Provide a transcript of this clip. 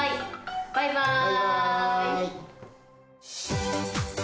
バイバーイ。